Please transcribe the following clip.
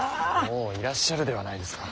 もういらっしゃるではないですか。